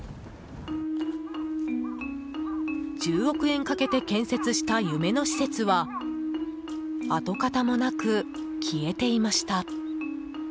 １０億円かけて建設した夢の施設は跡形もなく消えていました。